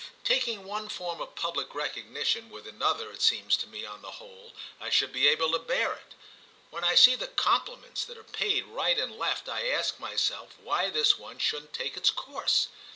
"Taking one form of public recognition with another it seems to me on the whole I should be able to bear it. When I see the compliments that are paid right and left I ask myself why this one shouldn't take its course.